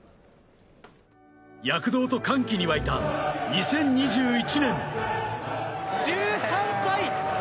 躍動と歓喜に沸いた２０２１年。